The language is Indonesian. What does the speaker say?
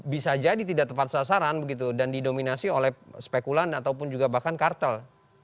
bisa jadi tidak tepat sasaran begitu dan didominasi oleh spekulan ataupun juga bahkan kartel